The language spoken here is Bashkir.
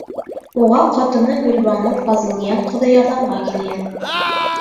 Уға ҡатыны Гөлбаныу Фазылйән ҡыҙы ярҙамға килгән.